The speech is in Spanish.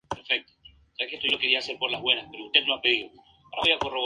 Recientemente trabaja en canciones con un manejo sinfónico en sus arreglos musicales.